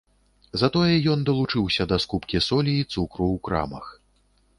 Затое ён далучыўся да скупкі солі і цукру ў крамах.